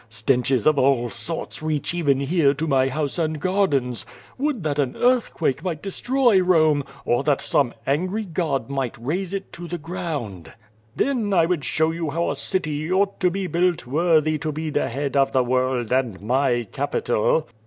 Stenches of all sorts reach even here to my house and gardens. Wouhl that an earthquake might destroy Home, or that some angry god might raze it to the ground. Then I would show you how a city ought to be built worthy to be the head of the world, and my capital."